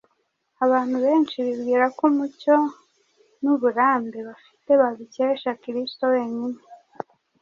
Abantu benshi bibwira ko umucyo n’uburambe bafite babikesha Kristo wenyine,